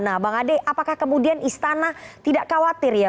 nah bang ade apakah kemudian istana tidak khawatir ya